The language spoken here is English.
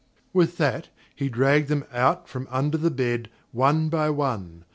With that he dragged them out from under the bed one by one.